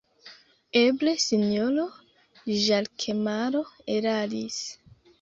Eble sinjoro Ĵakemaro eraris.